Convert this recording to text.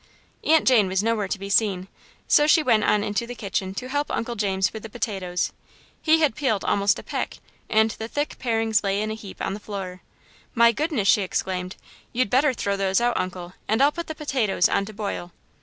Aunt Jane was nowhere to be seen, so she went on into the kitchen to help Uncle James with the potatoes. He had peeled almost a peck and the thick parings lay in a heap on the floor. "My goodness'" she exclaimed. "You'd better throw those out, Uncle, and I'll put the potatoes on to boil."